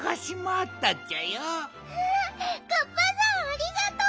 あカッパさんありがとう！